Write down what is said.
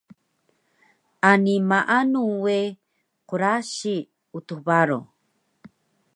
Ani maanu we qrasi Utux Baro